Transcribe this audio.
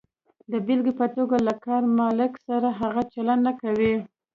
د بېلګې په توګه، له کار مالک سره هغه چلند نه کوئ.